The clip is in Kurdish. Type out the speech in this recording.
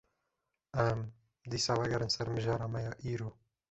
Em, dîsa vegerin ser mijara me ya îro